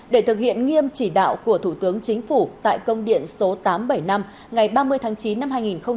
để thực hiện nghiêm chỉ đạo của thủ tướng chính phủ tại công điện số tám trăm bảy mươi năm ngày ba mươi tháng chín năm hai nghìn một mươi chín